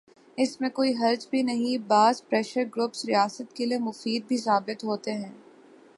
اس میں کوئی حرج بھی نہیں، بعض پریشر گروپس ریاست کے لئے مفید بھی ثابت ہوتے ہیں۔